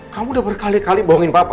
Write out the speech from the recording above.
kamu udah berkali kali bohongin bapak